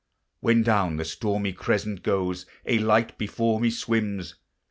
When down the stormy crescent goes, A light before me swims.